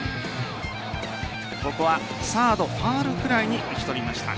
ここはサードファウルフライに打ち取りました。